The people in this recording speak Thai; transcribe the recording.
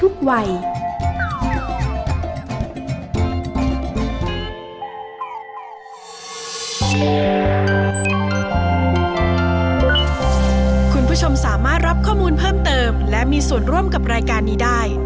คุณล่ะโหลดแล้วยัง